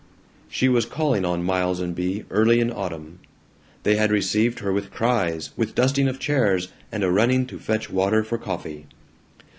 She was calling on Miles and Bea, early in autumn. They had received her with cries, with dusting of chairs, and a running to fetch water for coffee.